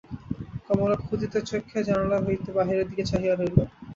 কমলা ক্ষুধিতচক্ষে জানলা হইতে বাহিরের দিকে চাহিয়া রহিল।